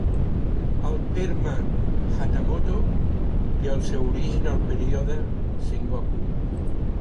El terme "hatamoto" té el seu origen al període Sengoku.